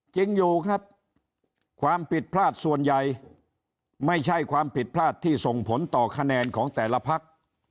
จริงอยู่ครับความผิดพลาดส่วนใหญ่ไม่ใช่ความผิดพลาดที่ส่งผลต่อคะแนนของแต่ละพัก